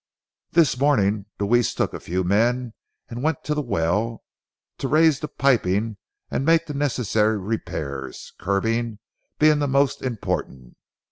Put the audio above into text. This morning Deweese took a few men and went to the well, to raise the piping and make the necessary repairs, curbing being the most important.